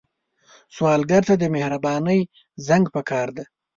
سوالګر ته د مهرباني زنګ پکار دی